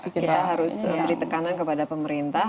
kita harus beri tekanan kepada pemerintah